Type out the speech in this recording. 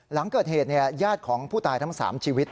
หลังเกิดเหตุญาติของผู้ตายทั้ง๓ชีวิต